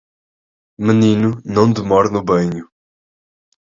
Menino não demore no banho!